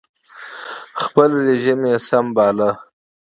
خپل رژیم یې سم باله